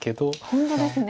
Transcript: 本当ですね。